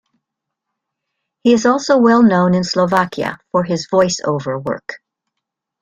He is also well known in Slovakia for his voice-over work.